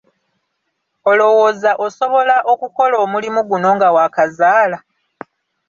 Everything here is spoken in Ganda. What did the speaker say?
Olowooza osobola okukola omulimu guno nga waakazaala?